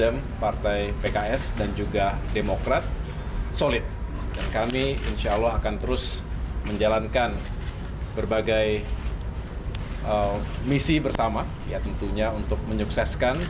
metro awas kameranya